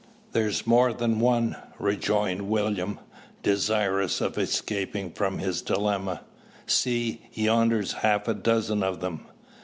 "There's more than one," rejoined William, desirous of escaping from his dilemma. "See, yonder's half a dozen of them!"